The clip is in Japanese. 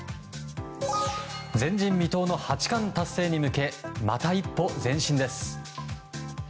前人未到の八冠達成に向けまた一歩前進です。